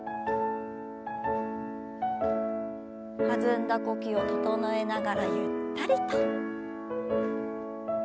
弾んだ呼吸を整えながらゆったりと。